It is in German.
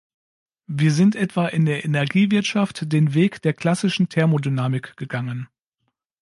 Wir sind etwa in der Energiewirtschaft den Weg der klassischen Thermodynamik gegangen.